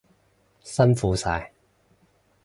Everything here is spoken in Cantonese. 辛苦晒！